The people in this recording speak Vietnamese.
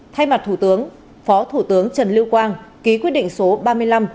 thay mặt thủ tướng phó thủ tướng trần lưu quang ký quyết định số ba mươi năm